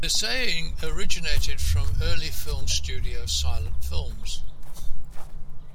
The saying originated from early film studios' silent films.